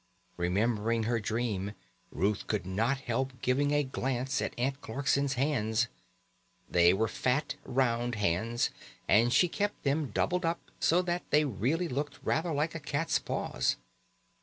Remembering her dream, Ruth could not help giving a glance at Aunt Clarkson's hands. They were fat, round hands, and she kept them doubled up, so that they really looked rather like a cat's paws.